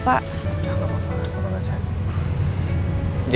udah gak masalah